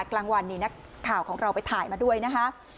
กลางวันนี้นักข่าวของเราไปถ่ายมาด้วยนะคะ